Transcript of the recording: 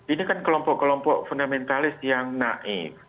ini kan kelompok kelompok fundamentalis yang naif